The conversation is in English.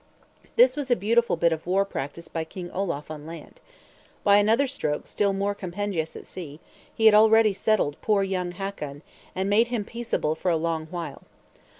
This was a beautiful bit of war practice by King Olaf on land. By another stroke still more compendious at sea, he had already settled poor young Hakon, and made him peaceable for a long while.